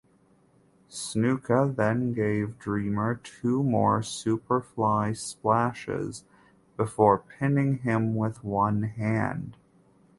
Snuka then gave Dreamer two more "Superfly Splashes" before pinning him with one hand.